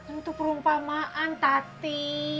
itu perumpamaan tati